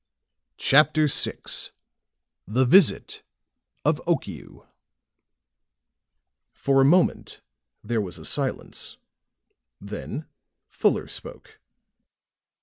CHAPTER VI THE VISIT OF OKIU For a moment there was a silence; then Fuller spoke.